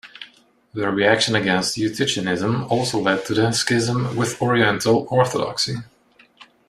The reaction against Eutychianism also led to the schism with Oriental Orthodoxy.